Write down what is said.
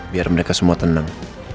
biar mereka semua tenang